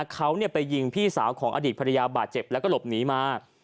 เขาไปยิงพี่สาวของอดีตภรรยาบาดเจ็บแล้วก็หลบหนีมา